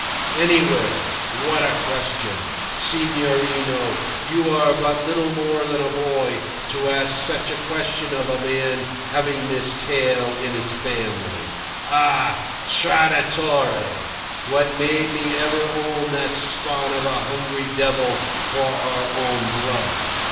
"Anywhere. What a question! Signorino, you are but little more than a boy to ask such a question of a man having this tale in his family. Ah! Traditore! What made me ever own that spawn of a hungry devil for our own blood!